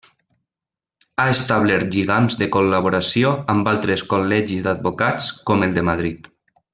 Ha establert lligams de col·laboració amb altres Col·legis d'Advocats, com el de Madrid.